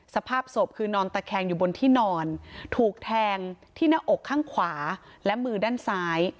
สภาพศพคือนอนตะแคงอยู่บนที่นอนถูกแทงที่หน้าอกข้างขวาและมือด้านซ้าย